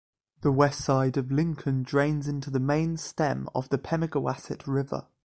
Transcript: The west side of Lincoln drains into the main stem of the Pemigewasset River.